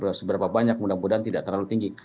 karena itu seberapa banyak mudah mudahan tidak terlalu tinggi